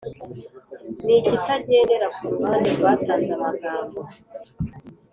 ni ikitagendera ku ruhande rwatanze amagambo